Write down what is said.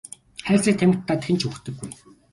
Хайрцаг тамхи татаад хэн ч үхдэггүй.